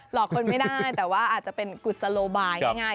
อกคนไม่ได้แต่ว่าอาจจะเป็นกุศโลบายง่าย